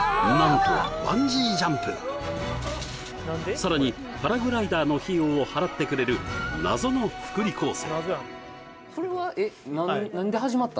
さらにパラグライダーの費用を払ってくれる謎の福利厚生